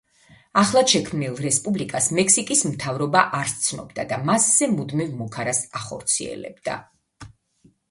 ახლადშექმნილ რესპუბლიკას მექსიკის მთავრობა არ სცნობდა და მასზე მუდმივ მუქარას ახორციელებდა.